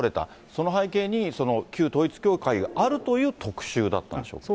その背景に、旧統一教会があるという特集だったんでしょうか。